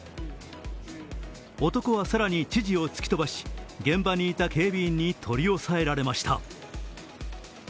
男は更に知事を突き飛ばし、現場にいた警備員に取り押さえられました。